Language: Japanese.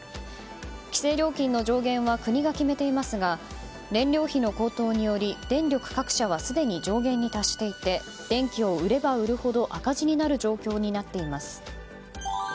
規制料金の上限は国が決めていますが燃料費の高騰により電力各社はすでに上限に達していて電気を売れば売るほど赤字になる状況になっています。